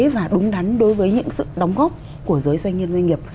và đúng đắn đối với những sự đóng góp của giới doanh nhân doanh nghiệp